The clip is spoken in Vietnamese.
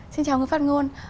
xin chào người phát ngôn